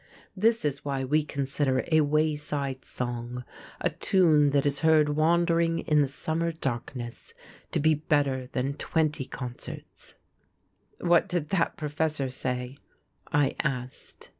This is why we consider a wayside song, a tune that is heard wandering in the summer darkness, to be better than twenty concerts." "What did that professor say?" I asked.